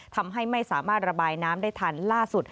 ทำให้ไม่สามารถระบายน้ำได้ทันล่าสุด